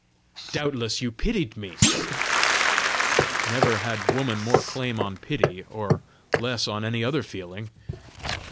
"Doubtless you pitied me!" "Never had woman more claim on pity, or less on any other feeling!"